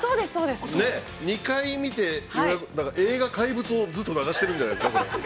２回見て映画「怪物」をずっと流しているんじゃないですか？